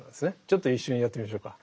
ちょっと一緒にやってみましょうか。